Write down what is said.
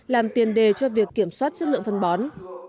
làm tiền đề cho việc kiểm soát chất lượng phân bón